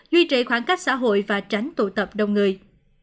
duy trì khoảng cách xã hội và tránh tụ tập đông người